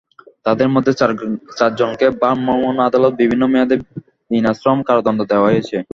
তাদের মধ্যে চারজনকে ভ্রাম্যমাণ আদালতে বিভিন্ন মেয়াদে বিনাশ্রম কারাদণ্ড দেওয়া হয়েছে।